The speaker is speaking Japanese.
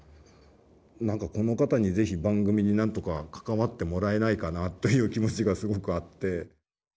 何かこの方に是非番組になんとか関わってもらえないかなという気持ちがすごくあって。